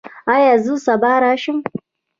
ایا زه سبا راشم؟